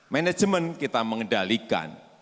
manajemen kita mengendalikan